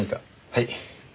はい。